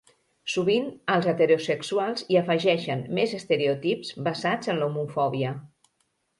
Sovint, els heterosexuals hi afegeixen més estereotips basats en l'homofòbia.